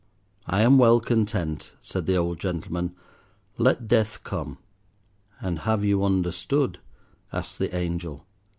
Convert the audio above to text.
"I am well content," said the old gentleman. "Let Death come." "And have you understood?" asked the angel.